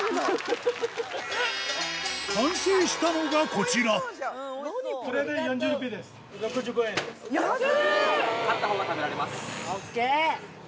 完成したのがこちらＯＫ！